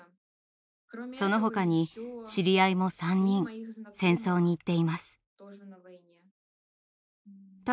その他に知り合いも３人戦争に行っています。